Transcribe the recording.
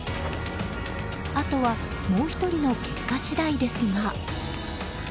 あとは、もう１人の結果次第ですが。